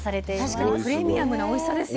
確かにプレミアムなおいしさですよね。